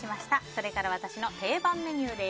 それから私の定番メニューです。